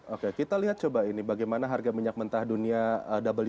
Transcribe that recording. oke kita lihat coba ini bagaimana harga minyak mentah dunia w